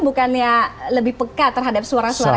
bukannya lebih pekat terhadap suara suara